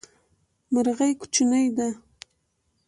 مرغی کوچنی ده